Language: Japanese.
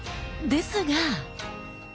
ですが。